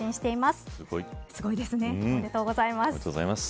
すごいですね。おめでとうございます。